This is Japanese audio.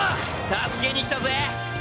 助けに来たぜ。